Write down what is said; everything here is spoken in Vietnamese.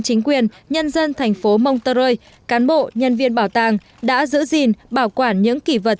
chính quyền nhân dân thành phố montreux cán bộ nhân viên bảo tàng đã giữ gìn bảo quản những kỳ vật